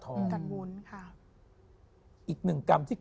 ใช่ค่ะใช่